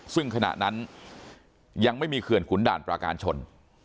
ซึ่งขณะนั้นยังไม่มีเขื่อนขุนด่านปราการชน